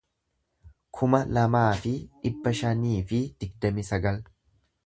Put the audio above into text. kuma lamaa fi dhibba shanii fi digdamii sagal